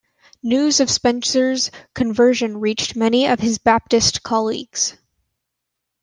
News of Spencer's conversion reached many of his Baptist colleagues.